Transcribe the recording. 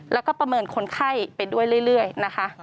แล้วก็ประเมินคนไข้ไปด้วยเรื่อยนะคะ